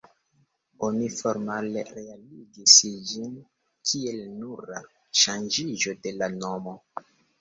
Oni formale realigis ĝin kiel nura ŝanĝiĝo de la nomo.